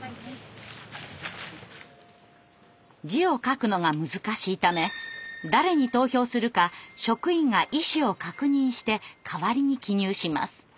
字を書くのが難しいため誰に投票するか職員が意思を確認して代わりに記入します。